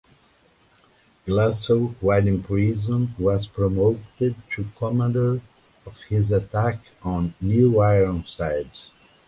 Glassell, while in prison, was promoted to commander for his attack on "New Ironsides".